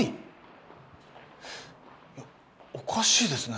おかしいですね。